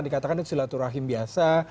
dikatakan itu silaturahim biasa